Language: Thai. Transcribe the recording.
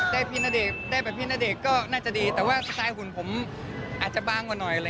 พี่ณเดชน์ได้แบบพี่ณเดชน์ก็น่าจะดีแต่ว่าสไตล์หุ่นผมอาจจะบางกว่าหน่อย